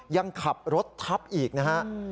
ยังขับรถทัพอีกนะครับ